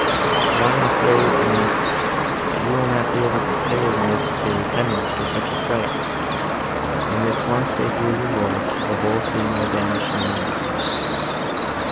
But I am afraid, Annette, you will not be able to pay the necessary penance for such a sight: and, if once they hear your voice, the whole scene will vanish in an instant."